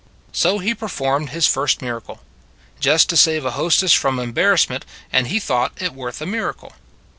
So He performed His first miracle. Just to save a hostess from embarrassment and He thought it worth a miracle.